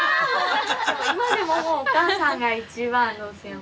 ・今でももうお母さんが一番どすやん。